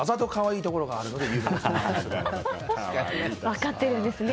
分かってるんですね。